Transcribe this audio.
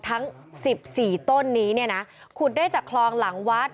ทั้ง๑๔ต้นนี้เนี่ยนะขุดได้จากคลองหลังวัด